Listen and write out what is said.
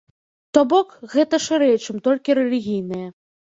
То бок, гэта шырэй, чым толькі рэлігійныя.